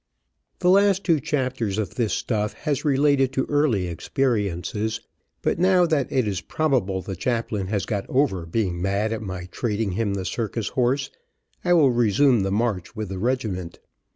The last two chapters of this stuff has related to early experiences, but now that it is probable the chaplain has got over being mad at my trading him the circus horse, I will resume the march with the regiment.